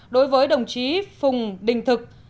đối với đồng chí phùng đình thực